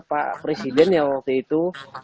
pak presiden yang waktu itu